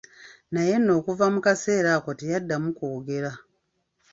Naye nno okuva mu kaseera ako teyaddamu kwogera.